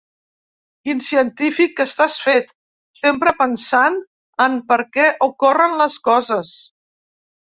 Quin científic que estàs fet… Sempre pensant en per què ocorren les coses.